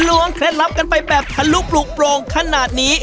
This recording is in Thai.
รวงแคล็ดรับกันไปแบบถลุกปลู่โพรงขนาดนี้